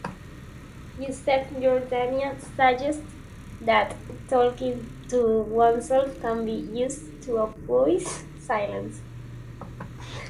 Joseph Jordania suggested that talking to oneself can be used to avoid silence.